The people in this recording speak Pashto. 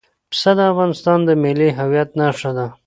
پسه د افغانستان د ملي هویت نښه ده.